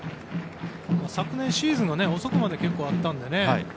昨年シーズンが遅くまで結構、あったのでね。